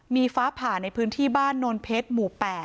มีฟ้าผ่าในพื้นที่บ้านโนนเพชรหมู่๘